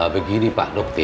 begini pak dokter